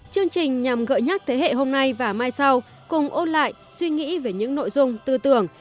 chương trình nhằm gợi nhắc thế hệ hôm nay và mai sau cùng ôn lại suy nghĩ về những nội dung tư tưởng